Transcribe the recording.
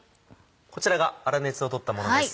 こちらが粗熱をとったものです。